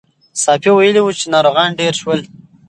ساپی ویلي وو چې ناروغان ډېر شول.